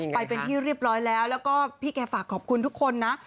ไปเป็นที่เรียบร้อยแล้วแล้วก็พี่แกฝากขอบคุณทุกคนนะ